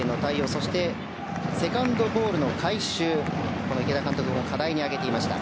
そしてセカンドボールの回収を池田監督が課題に挙げていました。